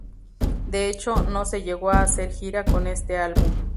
De hecho, no se llegó a hacer gira con este álbum.